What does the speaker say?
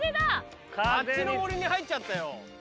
あっちの森に入っちゃったよ。